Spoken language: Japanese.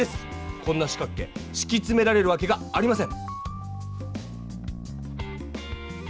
こんな四角形しきつめられるわけがありません。